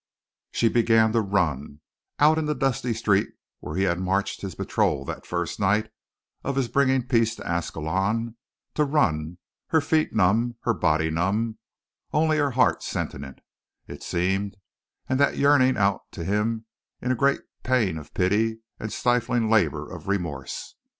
She began to run, out in the dusty street where he had marched his patrol that first night of his bringing peace to Ascalon; to run, her feet numb, her body numb, only her heart sentient, it seemed, and that yearning out to him in a great pain of pity and stifling labor of remorse.